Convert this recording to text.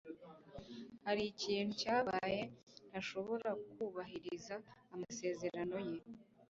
Hari ikintu cyabaye ntashobora kubahiriza amasezerano ye.